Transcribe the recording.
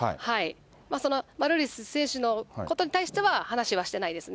そのマルーリス選手に対しての話はしてないですね。